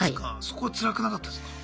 そこはつらくなかったですか？